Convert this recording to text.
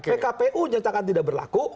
pkpu yang cakap tidak berlaku